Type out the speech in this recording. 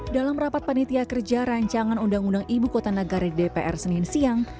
dalam rapat panitia kerja rancangan undang undang ibu kota negara di dpr senin siang